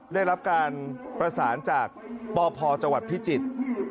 ได้รับการประสานจากปพจังหวัดพิจิตร